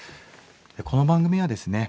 この番組はですね